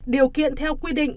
điều kiện theo quy định